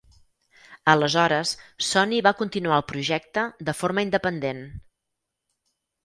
Aleshores, Sony va continuar el projecte de forma independent.